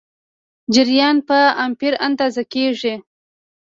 جریان په امپیر اندازه کېږي.